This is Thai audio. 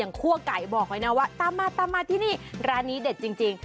คั่วไก่บอกเลยนะว่าตามมาตามมาที่นี่ร้านนี้เด็ดจริง